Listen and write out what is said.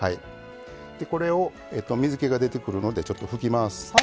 これを水けが出てくるのでちょっと拭きます。